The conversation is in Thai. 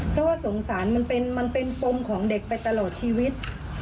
เพราะว่าสงสารมันเป็นปมของเด็กไปตลอดชีวิต